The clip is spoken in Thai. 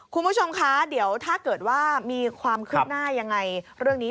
คุณผู้ชมคะเดี๋ยวถ้าเกิดว่ามีความคืบหน้ายังไงเรื่องนี้